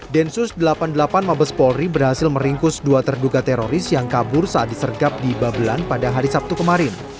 densus delapan puluh delapan mabes polri berhasil meringkus dua terduga teroris yang kabur saat disergap di babelan pada hari sabtu kemarin